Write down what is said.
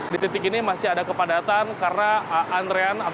di titik ini masih ada kepadatan karena antrean